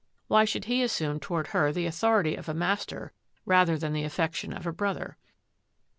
Why should he assume toward her the authority of a master rather than the affection of a brother?